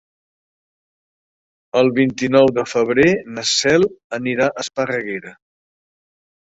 El vint-i-nou de febrer na Cel anirà a Esparreguera.